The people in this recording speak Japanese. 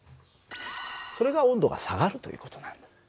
それが温度が下がるという事なんだ。